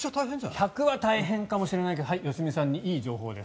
１００ｇは大変かもしれないけど良純さんにいい情報です。